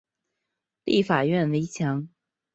立法院围墙